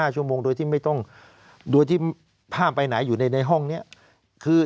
๕ชั่วโมงโดยที่ไม่ต้องโดยที่ห้ามไปไหนอยู่ในห้องนี้คือ